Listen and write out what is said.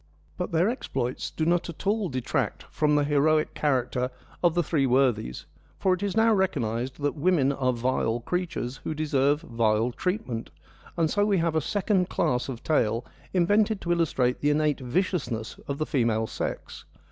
But their exploits do not at all detract from the heroic character of the three worthies, for it is now recognised that women are vile creatures who deserve vile treatment, and so we have a second class of tale invented to illustrate the innate vicious ness of the female sex.